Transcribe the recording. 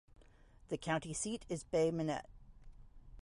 The county seat is Bay Minette.